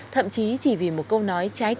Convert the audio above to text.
thậm chí chỉ vì một câu nói trái cắt